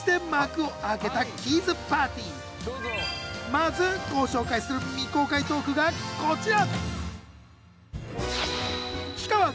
まずご紹介する未公開トークがこちら！